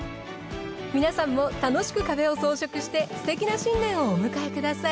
皆さんも楽しく壁を装飾してすてきな新年をお迎えください。